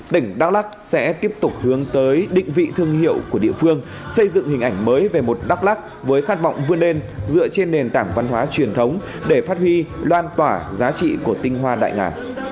tỉnh đắk lắc sẽ tiếp tục hướng tới định vị thương hiệu của địa phương xây dựng hình ảnh mới về một đắk lắc với khát vọng vươn lên dựa trên nền tảng văn hóa truyền thống để phát huy lan tỏa giá trị của tinh hoa đại ngà